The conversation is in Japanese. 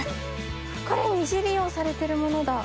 これ二次利用されてるものだ。